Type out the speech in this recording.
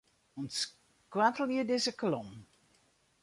Untskoattelje dizze kolom.